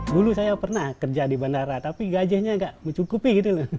dulu saya pernah kerja di bandara tapi gajahnya tidak mencukupi